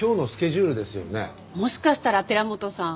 もしかしたら寺本さん